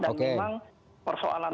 dan memang persoalan